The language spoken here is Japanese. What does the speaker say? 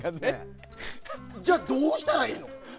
じゃあ、どうしたらいいの？